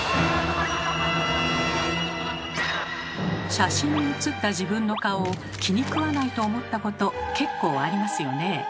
写真にうつった自分の顔を気にくわないと思ったこと結構ありますよねえ。